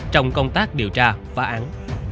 trong công tác điều tra và án